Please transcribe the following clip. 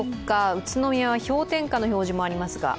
宇都宮は氷点下の表示もありますが。